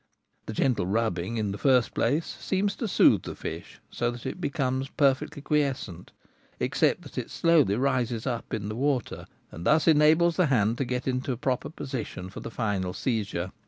The gentle rubbing in the first place seems to soothe the fish, so that it becomes perfectly quiescent, except that it slowly rises up in the water, and thus enables the hand to get into proper position for the final seizure.